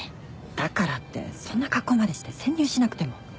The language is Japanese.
だからってそんな格好までして潜入しなくても。